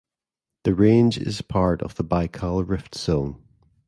The range is part of the Baikal Rift Zone.